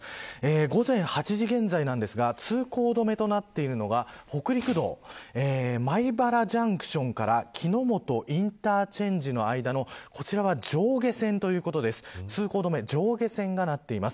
午前８時現在なんですが通行止めとなってるのが北陸道米原ジャンクションから木之本インターチェンジの間のこちらが上下線ということです。